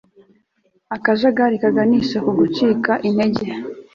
akajagari kaganisha ku gucika intege